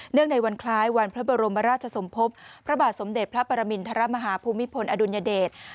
ในวันคล้ายวันพระบรมราชสมภพพระบาทสมเด็จพระปรมินทรมาฮาภูมิพลอดุลยเดช